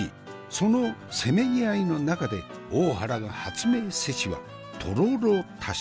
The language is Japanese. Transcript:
そのせめぎ合いの中で大原が発明せしはとろろ足し。